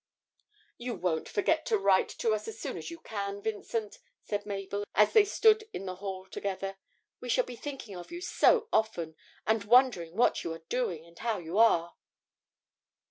'You won't forget to write to us as soon as you can, Vincent?' said Mabel, as they stood in the hall together. 'We shall be thinking of you so often, and wondering what you are doing, and how you are.'